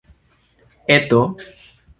Eto?